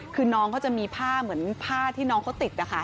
คือน้องเขาจะมีผ้าเหมือนผ้าที่น้องเขาติดนะคะ